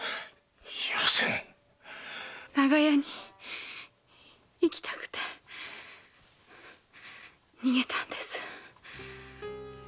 長屋に行きたくて逃げたんです。